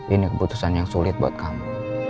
ini keputusan yang sulit buat kamu